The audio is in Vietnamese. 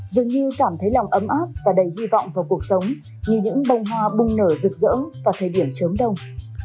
dường như cảm thấy lòng ấm áp và đầy hy vọng vào cuộc sống như những bông hoa bung nở rực rỡ vào thời điểm chớm đông